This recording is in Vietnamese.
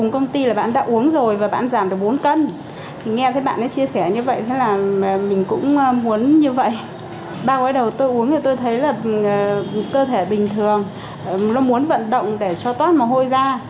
cơ thể bình thường nó muốn vận động để cho toát mồ hôi ra